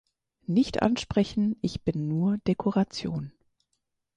Nicht ansprechen, ich bin nur Dekoration.